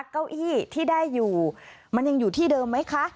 เก้าอี้ที่ได้อยู่มันยังอยู่ที่เดิมไหมคะ